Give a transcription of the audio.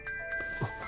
あっ。